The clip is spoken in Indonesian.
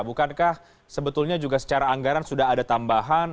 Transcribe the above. bukankah sebetulnya juga secara anggaran sudah ada tambahan